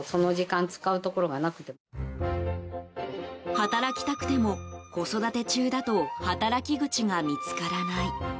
働きたくても、子育て中だと働き口が見つからない。